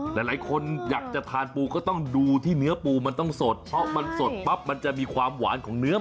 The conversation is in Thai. หลายคนอยากจะทานปูก็ต้องดูที่เนื้อปูมันต้องสดเพราะมันสดปั๊บมันจะมีความหวานของเนื้อ